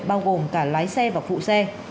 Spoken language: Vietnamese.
bao gồm cả lái xe và phụ xe